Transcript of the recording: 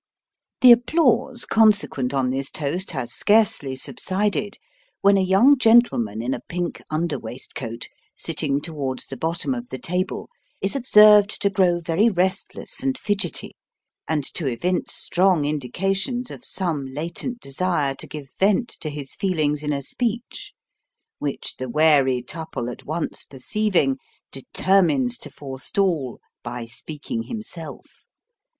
The applause consequent on this toast, has scarcely subsided, when a young gentleman in a pink under waistcoat, sitting towards the bottom of the table, is observed to grow very restless and fidgety, and to evince strong indications of some latent desire to give vent to his feelings in a speech, which the wary Tupple at once perceiving, deter mines to forestall by speaking himself.